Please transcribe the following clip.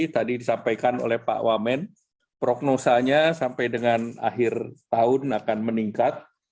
tadi disampaikan oleh pak wamen prognosanya sampai dengan akhir tahun akan meningkat